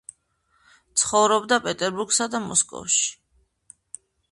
ცხოვრობდა პეტერბურგსა და მოსკოვში.